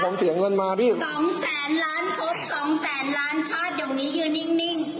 เสียงเงินมาพี่สองแสนล้านพบสองแสนล้านชาติเดี๋ยวนี้ยืนนิ่งนิ่ง